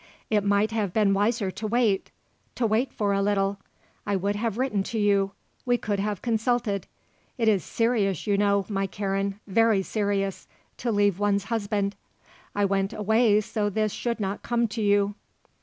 "It might have been wiser to wait to wait for a little. I would have written to you. We could have consulted. It is serious, you know, my Karen, very serious, to leave one's husband. I went away so that this should not come to you."